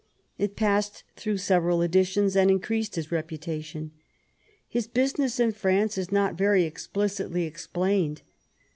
It passed through several editions and increased his reputation. His business in France is not very explicitly explained.